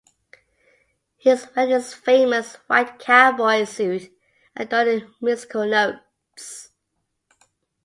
He is wearing his famous white cowboy suit adorned in musical notes.